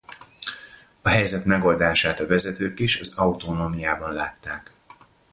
A helyzet megoldását a vezetők is az autonómiában látták.